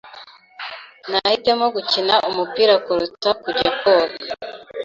Nahitamo gukina umupira kuruta kujya koga.